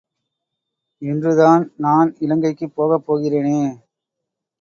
இன்றுதான் நான் இலங்கைக்குப் போகப் போகிறேனே!